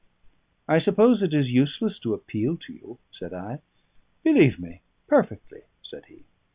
"I suppose it is useless to appeal to you?" said I. "Believe me, perfectly," said he.